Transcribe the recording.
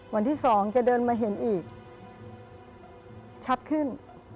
วันที่๒จะเดินมาเห็นอีกชัดขึ้น